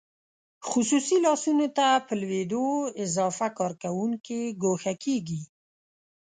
خصوصي لاسونو ته په لوېدو اضافه کارکوونکي ګوښه کیږي.